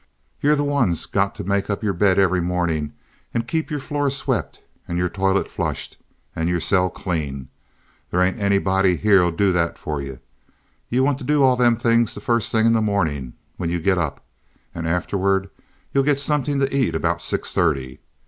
"You're the one's got to make up your bed every mornin' and keep your floor swept and your toilet flushed and your cell clean. There hain't anybody here'll do that for yuh. You want to do all them things the first thing in the mornin' when you get up, and afterward you'll get sumpin' to eat, about six thirty.